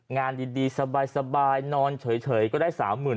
งานดีสบายนอนเฉยก็ได้๓๐๐๐